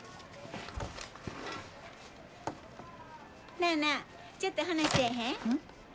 なあなあちょっと話せえへん？